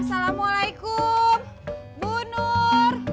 assalamualaikum bu nur